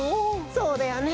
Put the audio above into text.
そうだよね。